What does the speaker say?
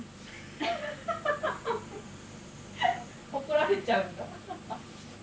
怒られちゃう？